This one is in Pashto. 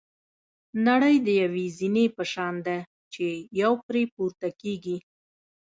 نړۍ د یوې زینې په شان ده چې یو پرې پورته کېږي.